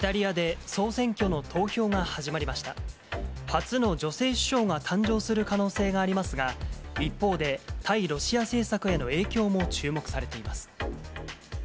初の女性首相が誕生する可能性がありますが、一方で対ロシア政策への影響も注目されています。